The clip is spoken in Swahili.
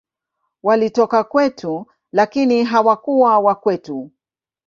Walitoka kwetu, lakini hawakuwa wa kwetu.